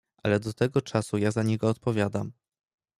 "Ale do tego czasu ja za niego odpowiadam."